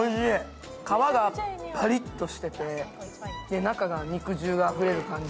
皮がパリッとしてて中が肉汁があふれる感じ。